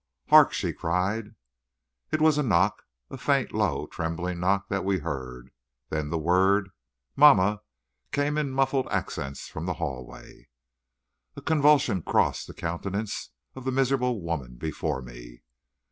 "Hark!" she cried. It was a knock, a faint, low, trembling knock that we heard, then the word "Mamma" came in muffled accents from the hallway. A convulsion crossed the countenance of the miserable woman before me.